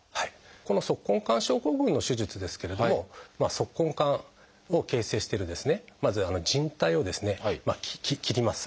この足根管症候群の手術ですけれども足根管を形成しているまずじん帯をですね切ります。